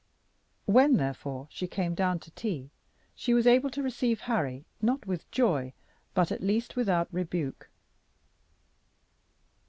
When, therefore, she came down to tea, she was able to receive Harry not with joy but at least without rebuke.